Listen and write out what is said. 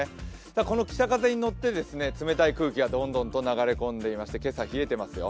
この北風に乗って冷たい空気がどんどんと流れ込んでいまして、今朝、冷えていますよ。